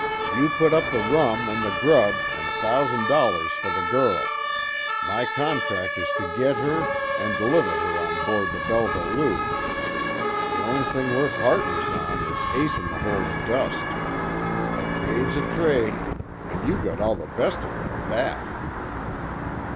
You put up the rum, an' the grub, an' a thousan' dollars fer the girl. My contract is to git her, an' deliver her on board the Belva Lou. The only thing we're pardners on is Ace In The Hole's dust. A trade's a trade an' you got all the best of it, at that."